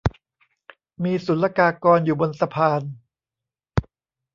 มีศุลกากรอยู่บนสะพาน